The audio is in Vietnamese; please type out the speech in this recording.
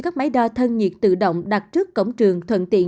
các máy đo thân nhiệt tự động đặt trước cổng trường thuận tiện